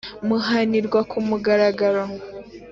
guhanirwa ku mugaragaro